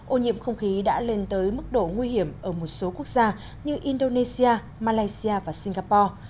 ô nhiễm không khí đã lên tới mức độ nguy hiểm ở một số quốc gia như indonesia malaysia và singapore